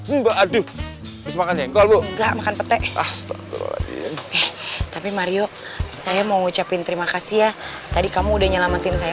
enggak makan pete tapi mario saya mau ucapin terima kasih ya tadi kamu udah nyelamatin saya